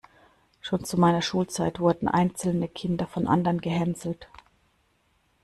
Schon zu meiner Schulzeit wurden einzelne Kinder von anderen gehänselt.